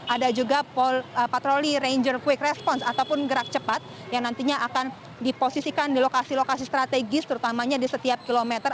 ada juga patroli ranger quick response ataupun gerak cepat yang nantinya akan diposisikan di lokasi lokasi strategis terutamanya di setiap kilometer